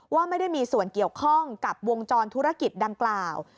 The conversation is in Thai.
ว่าไม่ได้มีส่วนเกี่ยวข้องกับวงจรธุรกิจดังกล่าว